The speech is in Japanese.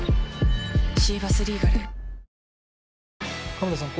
亀田さん。